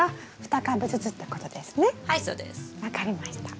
分かりました。